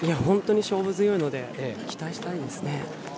本当に勝負強いので期待したいですね。